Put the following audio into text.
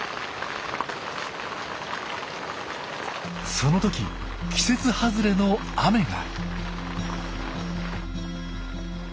その時季節外れの雨が。